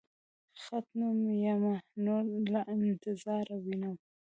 ختم يمه نور له انتظاره وينم.